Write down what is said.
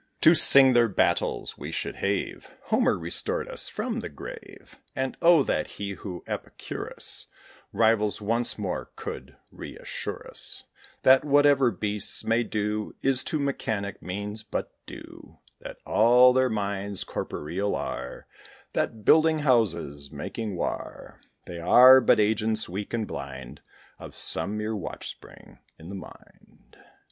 To sing their battles we should have Homer restored us, from the grave; And, oh! that he who Epicurus Rivals once more could re assure us That, whatever beasts may do, Is to mechanic means but due; That all their minds corporeal are; That building houses, making war, They are but agents, weak and blind, Of some mere watchspring in the mind.